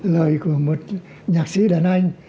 lời của một nhạc sĩ đàn anh